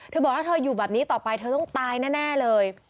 บอกถ้าเธออยู่แบบนี้ต่อไปเธอต้องตายแน่เลย